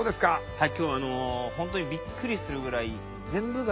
はい。